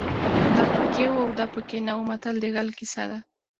دا پکې وو او دا پکې نه وو متل د غل کیسه ده